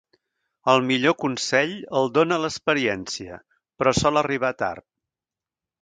El millor consell el dóna l'experiència, però sol arribar tard.